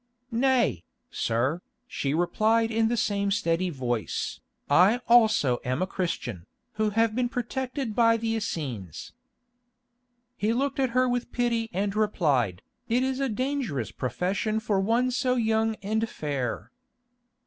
"Nay, sir," she replied in the same steady voice, "I also am a Christian, who have been protected by the Essenes." He looked at her with pity and replied, "It is a dangerous profession for one so young and fair."